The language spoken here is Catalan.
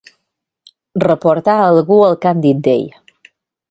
Reportar a algú el que han dit d'ell.